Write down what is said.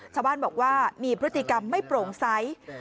ชาวบ้านบอกว่ามีพฤติกรรมไม่โปร่งใส